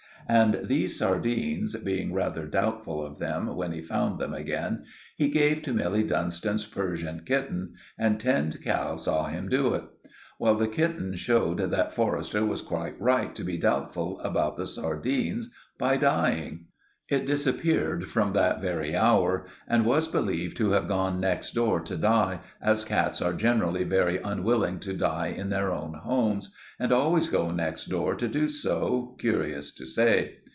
And these sardines—being rather doubtful of them when he found them again—he gave to Milly Dunstan's Persian kitten; and Tinned Cow saw him do it. Well, the kitten showed that Forrester was quite right to be doubtful about the sardines by dying. It disappeared from that very hour, and was believed to have gone next door to die, as cats are generally very unwilling to die in their own homes, and always go next door to do so, curious to say.